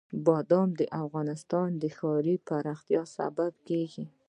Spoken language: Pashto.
بادام د افغانستان د ښاري پراختیا سبب کېږي.